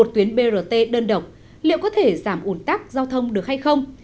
một tuyến brt đơn độc liệu có thể giảm ủn tắc giao thông được hay không